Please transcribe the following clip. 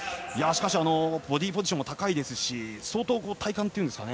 ボディーポジションも高いし相当、体幹というんですかね